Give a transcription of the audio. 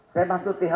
saya masuk tha